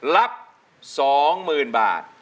รับ๒หมื่นบาท